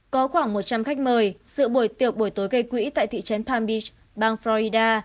có khoảng một trăm linh khách mời sự buổi tiệc buổi tối kỳ quỹ tại thị trấn palm beach bang florida